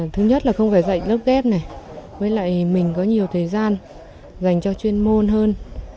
thứ nhất là không phải dạy lớp ghép này với lại mình có nhiều thời gian dành cho chuyên môn hơn